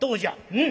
うん。